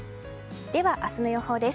では、明日の予報です。